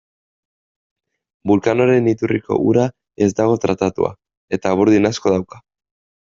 Vulcanoren iturriko ura ez dago tratatuta, eta burdin asko dauka.